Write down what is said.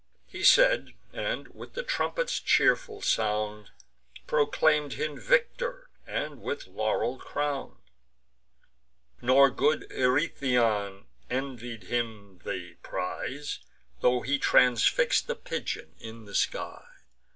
He said, and, with the trumpets' cheerful sound, Proclaim'd him victor, and with laurel crown'd. Nor good Eurytion envied him the prize, Tho' he transfix'd the pigeon in the skies.